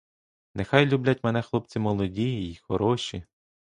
Нехай люблять мене хлопці молоді й хороші!